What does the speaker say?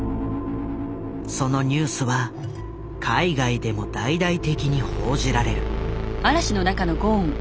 そのニュースは海外でも大々的に報じられる。